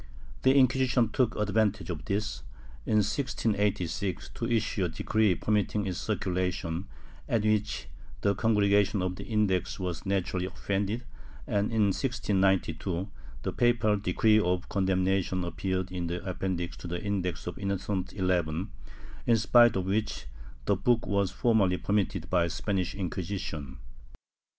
The Inquisition took advantage of this, in 1686, to issue a decree permitting its circulation, at which the Congregation of the Index was naturally offended and, in 1692, the papal decree of condemnation appeared in the Appendix to the Index of Innocent XI, in spite of which the book was formally permitted by the Spanish Inquisition.